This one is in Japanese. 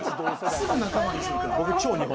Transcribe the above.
すぐ仲間にする。